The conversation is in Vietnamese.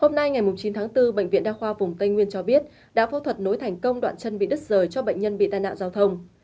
hôm nay ngày chín tháng bốn bệnh viện đa khoa vùng tây nguyên cho biết đã phẫu thuật nối thành công đoạn chân bị đứt rời cho bệnh nhân bị tai nạn giao thông